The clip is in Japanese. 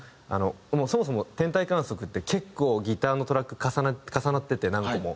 そもそも『天体観測』って結構ギターのトラック重なってて何個も何本も重なってて。